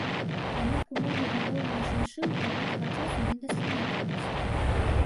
Аднак умовы гадоўлі шыншыл да гэтага часу не даследаваліся.